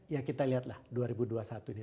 ya kita lihatlah dua ribu dua puluh satu ini